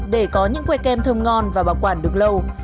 để có những quầy kèm thơm ngon và bảo quản được lâu